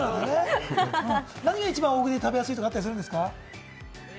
何が一番大食いで食べやすいとかあるんですか？